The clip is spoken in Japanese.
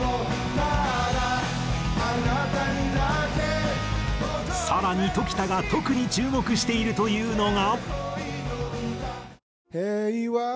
「ただあなたにだけ」更に常田が特に注目しているというのが。